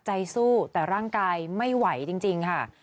ใจสู้แต่ร่างกายไม่ไหวจริงค่ะ